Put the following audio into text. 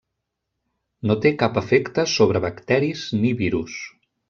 No té cap efecte sobre bacteris ni virus.